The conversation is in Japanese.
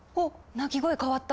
鳴き声変わった。